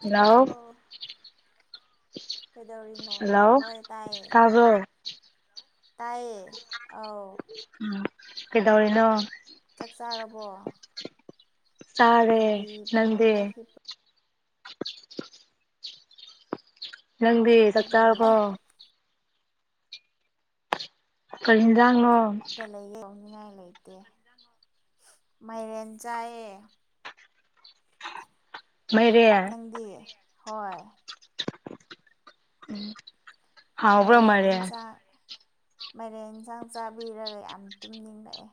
Hello ꯑꯧ ꯀꯩꯗꯧꯔꯤꯅꯣ hello ꯍꯣꯏ ꯇꯥꯏꯌꯦ꯫ ꯇꯥꯕ꯭ꯔꯣ ꯇꯥꯏꯌꯦ ꯑꯣ ꯎꯝ ꯀꯩꯗꯧꯔꯤꯅꯣ ꯆꯥꯛ ꯆꯥꯔꯕꯣ ꯑꯩꯗꯤ ꯆꯥꯔꯦ ꯅꯪꯗꯤ ꯐꯃꯗ ꯍꯤꯞ ꯅꯪꯗꯤ ꯆꯥꯛ ꯍꯤꯞꯄꯒ ꯆꯥꯔꯕꯣ ꯂꯩꯌꯦ ꯀꯔꯤ ꯌꯦꯟꯖꯥꯡꯅꯣ ꯂꯩꯌꯦ ꯇꯧꯅꯤꯡꯉꯥꯏ ꯂꯩꯇꯦ ꯃꯥꯏꯔꯦꯟ ꯆꯥꯏꯌꯦ꯫ ꯃꯣꯏꯔꯦꯅ ꯅꯪꯗꯤ ꯍꯣꯏ ꯎꯝ ꯃꯥꯏꯔꯦꯟ ꯌꯦꯟꯁꯥꯡ ꯃꯥꯏꯔꯦꯟ ꯌꯦꯟꯁꯥꯡ ꯆꯥꯕꯤꯔꯒ ꯌꯥꯝ ꯇꯨꯝꯅꯤꯡꯂꯛꯑꯦ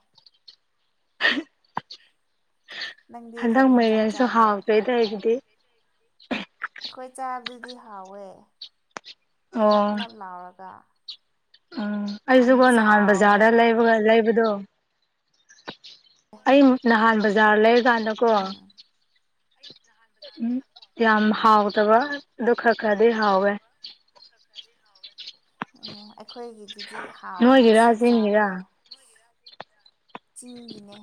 ꯅꯪꯗꯤ ꯍꯟꯗꯛ ꯀꯔꯤ ꯌꯦꯟꯁꯥꯡ ꯃꯥꯏꯔꯦꯟꯁꯨ ꯆꯥꯕ꯭ꯔꯣ? ꯍꯥꯎꯇꯦꯗ ꯑꯩꯒꯤꯗꯤ ꯑꯩꯈꯣꯏ ꯆꯥꯕꯗꯨꯗꯤ ꯍꯥꯎꯋꯦ ꯅꯞ ꯑꯣ ꯅꯞ ꯂꯥꯎꯔꯒ ꯎꯝ ꯌꯥꯝ ꯑꯩꯁꯨꯒꯣ ꯅꯍꯥꯟ ꯆꯥꯎꯋꯦ ꯕꯖꯥꯔꯗ ꯂꯩꯕꯒ ꯂꯩꯕꯗꯣ ꯑꯩ ꯅꯍꯥꯟ ꯎꯝ ꯕꯖꯥꯔ ꯂꯩꯔꯀꯥꯟꯗꯀꯣ ꯎꯝ ꯎꯝ ꯌꯥꯝ ꯎꯝ ꯍꯥꯎꯗꯕ ꯑꯗꯨ ꯈꯔ ꯈꯔꯗꯤ ꯍꯥꯎꯋꯦ꯫ ꯎꯝ ꯑꯩꯈꯣꯏꯒꯤꯗꯨꯗꯤ ꯍꯥꯎꯋꯦ ꯅꯣꯏꯒꯤꯔꯥ ꯉꯁꯤ ꯆꯤꯡꯒꯤꯔꯥ ꯆꯥꯕꯗꯣ ꯆꯤꯡꯒꯤꯅꯦ꯫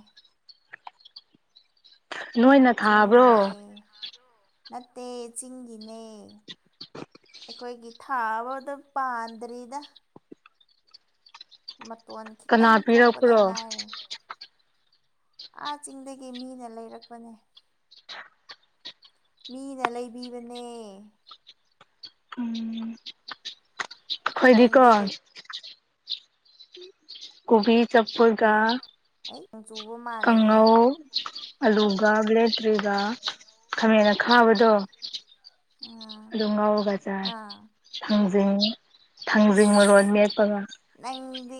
ꯅꯣꯏꯅ ꯊꯥꯕ꯭ꯔꯣ ꯆꯤꯒꯤꯅꯦ ꯅꯠꯇꯦ ꯆꯤꯒꯤꯤꯅꯦ ꯑꯩꯈꯣꯏꯒꯤ ꯊꯥꯕ ꯑꯗꯨ ꯄꯥꯟꯗ꯭ꯔꯤꯗ ꯃꯇꯣꯟ ꯀꯅꯥ ꯈꯤꯇꯪ ꯊꯣꯛꯄꯗ ꯄꯤꯔꯛꯄ꯭ꯔꯣ ꯉꯥꯏꯔꯦ ꯑꯥ ꯆꯤꯡꯗꯒꯤ ꯃꯤꯅ ꯂꯩꯔꯛꯄꯅꯦ ꯃꯤꯅ ꯂꯩꯕꯤꯕꯅꯦ ꯎꯝ ꯈꯣꯏꯗꯤ ꯀ ꯅꯪꯗꯤ ꯀꯣꯕꯤ ꯆꯞꯄꯔꯒ ꯀꯔꯤ ꯑꯩ ꯅꯣꯡ ꯆꯨꯕ ꯃꯥꯜꯂꯦꯍꯦ ꯀꯪꯉꯧ ꯑꯂꯨꯒ ꯕ꯭ꯂꯦꯇ꯭ꯔꯤꯒ ꯈꯥꯃꯦꯟ ꯈꯥꯕꯗꯣ ꯎꯝ ꯑꯗꯨꯝ ꯉꯥꯎꯔꯒ ꯆꯥꯏ ꯑꯥ ꯊꯥꯡꯖꯤꯡ ꯊꯥꯡꯖꯤꯡ ꯃꯔꯣ ꯃꯦꯠꯄꯒ ꯅꯪꯒꯤ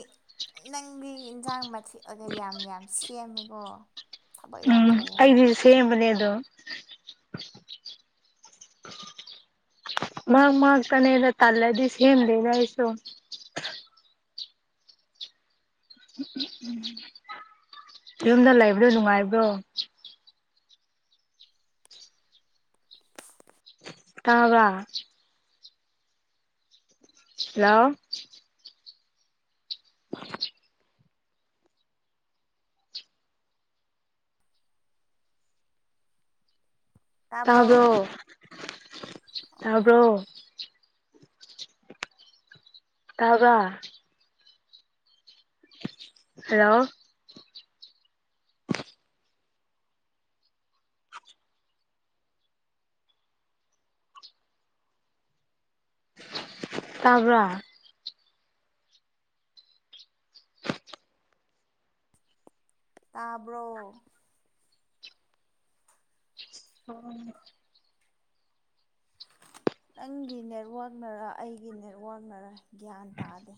ꯅꯪꯗꯤ ꯏꯟꯁꯥꯡ ꯃꯊꯦꯛ ꯌꯥꯝ ꯌꯥꯝ ꯁꯦꯝꯃꯦꯀꯣ ꯊꯕꯛ ꯌꯥꯝ ꯐꯩꯌꯦ ꯑꯩꯗꯤꯁꯨ ꯁꯦꯝꯕꯅꯦ ꯑ ꯑꯗꯨꯣ ꯃꯪ ꯃ ꯀꯅꯦꯗ ꯇꯥꯂꯗꯤꯁ ꯍ ꯂꯩ ꯌꯥꯁꯨꯣ ꯌꯨꯝꯗ ꯂꯩꯕ꯭ꯔꯣ ꯅꯨꯡꯉꯥꯏꯕ꯭ꯔꯣ ꯇꯥꯕ ꯍꯦꯜꯂꯣ ꯇꯥꯕ꯭ꯔꯣ ꯑꯣ ꯇꯥꯕ꯭ꯔꯣ ꯇꯕ ꯍꯜꯂꯣ ꯇꯥꯕ꯭ꯔꯥ ꯇꯥꯕ꯭ꯔꯣ ꯑꯣꯝ ꯅꯪꯒꯤ ꯅꯦꯠꯋꯥꯛꯅꯔ ꯑꯩꯒꯤ ꯅꯦꯠꯋꯥꯛꯅꯔ ꯒ꯭ꯌꯥꯟ ꯇꯥꯗꯦ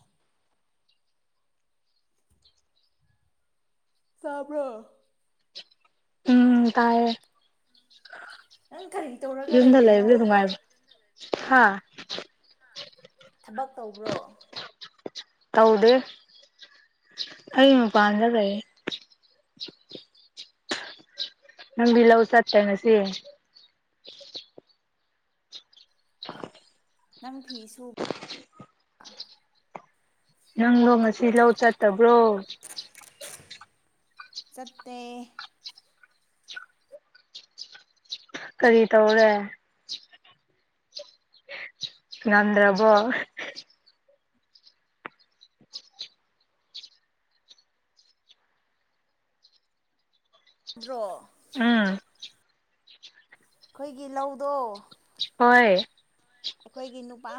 ꯁꯥꯥꯕ꯭ꯔꯣ ꯇꯥꯏ ꯅꯪ ꯀꯔꯤ ꯇꯧꯔꯒ ꯂꯩꯔꯤꯅꯣ ꯍꯥꯥ ꯊꯕꯛ ꯇꯧꯕ꯭ꯔꯣ ꯇꯧꯗꯦ ꯑꯩ ꯃꯄꯥꯟꯗ ꯂꯩꯩ ꯅꯪꯕꯤꯂ ꯍꯁꯥ ꯇ ꯃꯁꯤꯦ ꯅꯪ ꯐꯤꯁꯨ ꯅꯪꯗꯣ ꯉꯁꯤ ꯂꯧ ꯆꯠꯇꯕ꯭ꯔꯣ ꯆꯠꯇꯦ ꯀꯔꯤ ꯇꯧꯔꯦ ꯅꯗ꯭ꯔꯕꯣ ꯕ꯭ꯔꯣ ꯎꯝ ꯑꯩꯈꯣꯏꯒꯤ ꯂꯧꯗꯣ ꯍꯣꯏ ꯑꯩꯈꯣꯏꯒꯤ ꯅꯨꯄꯥ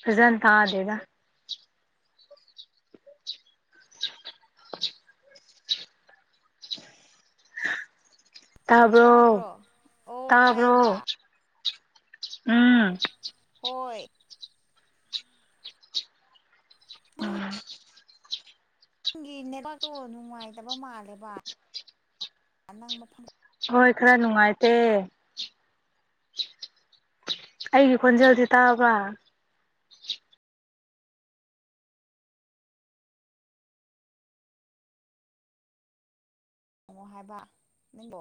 ꯐꯖ ꯇꯑꯗꯦꯗ ꯇꯥꯕ꯭ꯔꯣ ꯇꯥꯗ꯭ꯔꯣ ꯑꯣ ꯇꯥꯕ꯭ꯔꯣ ꯇꯥꯏꯌꯦꯕ ꯎꯝ ꯍꯣꯏ ꯅꯪꯒꯤ ꯅꯦꯠꯋꯥꯛꯇꯣ ꯅꯨꯡꯉꯥꯏꯇꯕ ꯃꯥꯜꯂꯦꯕ ꯅꯪ ꯃꯐꯝ ꯍꯣꯏ ꯈꯔ ꯅꯨꯡꯉꯥꯏꯇꯦ ꯑꯩꯒꯤ ꯈꯣꯟꯖꯦꯜꯁꯤ ꯇꯥꯕ꯭ꯔ ꯌꯦꯡꯉꯣ ꯍꯥꯏꯕ ꯅꯪꯗꯣ